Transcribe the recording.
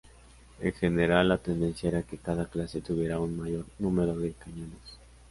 En general, la tendencia era que cada clase tuviera un mayor número de cañones.